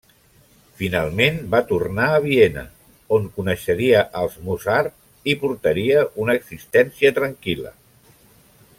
Finalment va tornar a Viena on coneixeria als Mozart i portaria una existència tranquil·la.